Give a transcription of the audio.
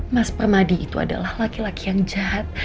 mas permadi itu adalah laki laki yang jahat